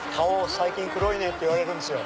最近黒いねって言われるんすよ。